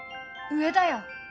上だよ！